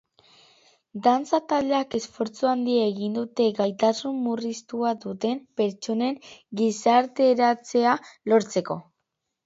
Dantza taldeak esfortzu handia egiten du gaitasun murriztua duten pertsonen gizarteratzea lortzeko.